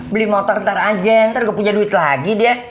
beli motor ntar aja ntar nggak punya duit lagi dia